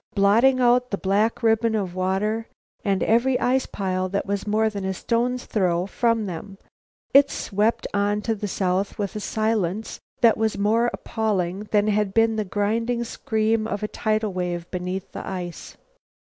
Blotting out the black ribbon of water and every ice pile that was more than a stone's throw from them, it swept on to the south with a silence that was more appalling than had been the grinding scream of a tidal wave beneath the ice.